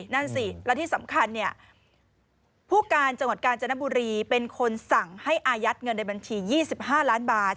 นั่นสิและที่สำคัญผู้การจังหวัดกาญจนบุรีเป็นคนสั่งให้อายัดเงินในบัญชี๒๕ล้านบาท